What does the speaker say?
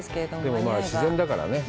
でも、まあ、自然だからね。